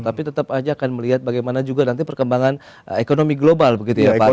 tapi tetap aja akan melihat bagaimana juga nanti perkembangan ekonomi global begitu ya pak ali